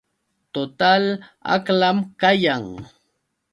Total aqlam kayan.